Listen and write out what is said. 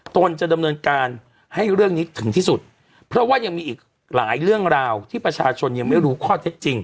ตนจะดำเนินการให้เรื่องนี้ถึงที่สุดเพราะว่ายังมีอีกหลายเรื่องราวที่ประชาชนยังไม่รู้ข้อเท็จจริง